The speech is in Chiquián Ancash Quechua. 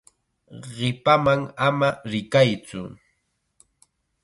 Qipaman ama rikaytsu.